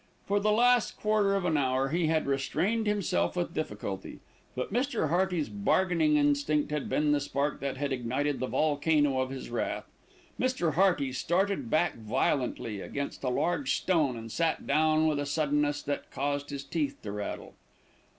For the last quarter of an hour he had restrained himself with difficulty; but Mr. Hearty's bargaining instinct had been the spark that had ignited the volcano of his wrath. Mr. Hearty started back violently; stumbled against a large stone and sat down with a suddenness that caused his teeth to rattle.